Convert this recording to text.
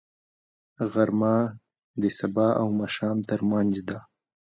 غرمه د سبا او ماښام ترمنځ دی